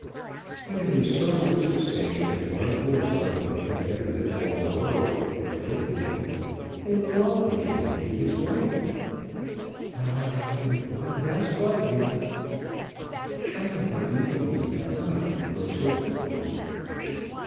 "But it is so much to say that one will love a man better than all the world, and go to him, and belong to him, and be his wife." "Ah; but if one does love him!" "I can hardly believe that love can grow so quickly."